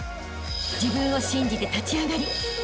［自分を信じて立ち上がりあしたへ